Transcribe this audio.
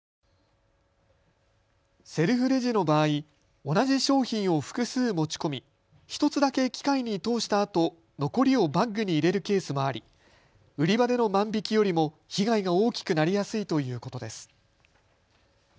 セルフレジの場合、同じ商品を複数持ち込み１つだけ機械に通したあと、残りをバッグに入れるケースもあり売り場での万引きよりも被害が大きくなりやすいということです。